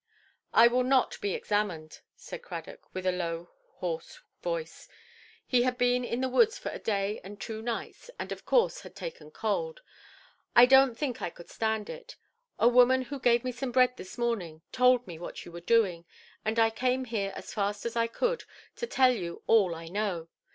"I will not be examined", said Cradock, with a low hoarse voice; he had been in the woods for a day and two nights, and of course had taken cold,—"I donʼt think I could stand it. A woman who gave me some bread this morning told me what you were doing, and I came here as fast as I could, to tell you all I know.